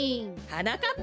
はなかっ